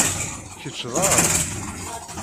Kečč d Aɛṛab?